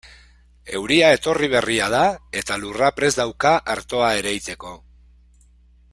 Euria etorri berria da eta lurra prest dauka artoa ereiteko.